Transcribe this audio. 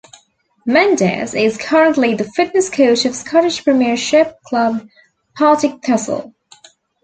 Mendes is currently the fitness coach of Scottish Premiership club Partick Thistle.